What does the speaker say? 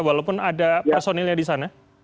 walaupun ada personilnya di sana